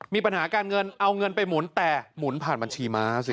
มีปัญหาการเงินเอาเงินไปหมุนแต่หมุนผ่านบัญชีม้าสิ